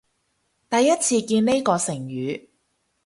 第一次見呢個成語